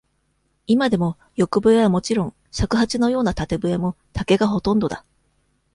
今でも、横笛はもちろん、尺八のような縦笛も、竹がほとんどだ。